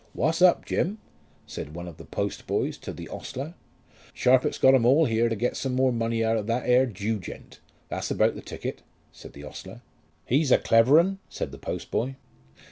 "What's up, Jim?" said one of the postboys to the ostler. "Sharpit's got 'em all here to get some more money out of that ere Jew gent; that's about the ticket," said the ostler. "He's a clever un," said the postboy.